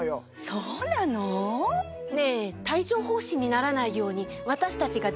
そうなの？ねぇ。